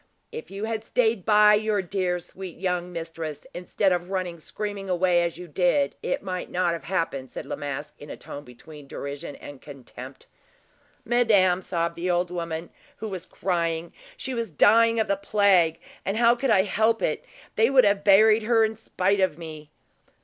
"If you had stayed by your dear, sweet young mistress, instead of running screaming away as you did, it might not have happened," said La Masque, in a tone between derision and contempt. "Madame," sobbed the old woman, who was crying, "she was dying of the plague, and how could I help it? They would have buried her in spite of me."